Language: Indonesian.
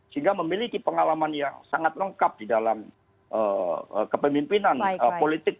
sehingga memiliki pengalaman yang sangat lengkap di dalam kepemimpinan politik